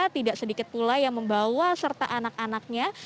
tidak sedikit pula yang membawa serta anak anaknya